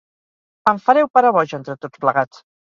Em fareu parar boja entre tots plegats!